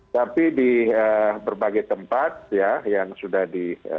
tapi di berbagai tempat ya yang sudah di